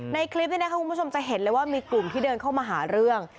ในคลิปนี้นะคะคุณผู้ชมจะเห็นเลยว่ามีกลุ่มที่เดินเข้ามาหาเรื่อง